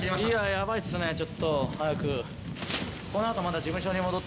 やばいですね、ちょっと。